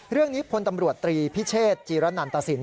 เรื่องนี้พลตำรวจตรีพิเชษจีรนันตสิน